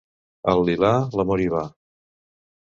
Al lilà, l'amor hi va.